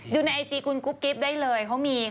ดูในไอจีคุณกุ๊กกิ๊บได้เลยเขามี